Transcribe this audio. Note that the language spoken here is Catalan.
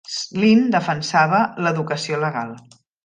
Slynn defensava l'educació legal.